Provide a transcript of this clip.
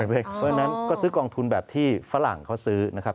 เพราะฉะนั้นก็ซื้อกองทุนแบบที่ฝรั่งเขาซื้อนะครับ